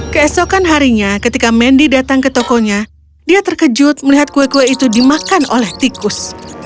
keesokan harinya ketika mendy datang ke tokonya dia terkejut melihat kue kue itu dimakan oleh tikus